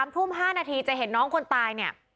๓ทุ่ม๕นาทีจะเห็นน้องคนตายเนี่ย